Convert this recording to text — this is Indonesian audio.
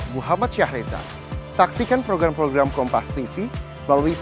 mereka diperintahkan untuk absence mentalis